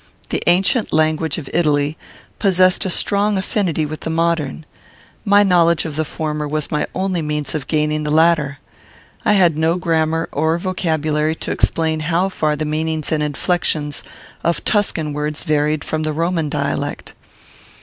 The ancient language of Italy possessed a strong affinity with the modern. My knowledge of the former was my only means of gaining the latter. I had no grammar or vocabulary to explain how far the meanings and inflections of Tuscan words varied from the Roman dialect.